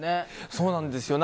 そうなんですよ。